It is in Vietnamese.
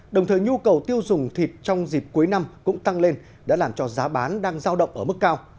đồng thời nhu cầu tiêu dùng thịt trong dịp cuối năm cũng tăng lên đã làm cho giá bán đang giao động ở mức cao